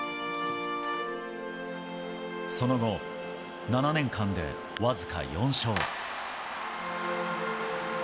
その後、７年間でわずか４勝。